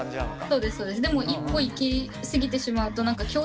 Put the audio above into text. そうですそうです。